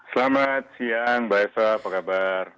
selamat siang mbak esa apa kabar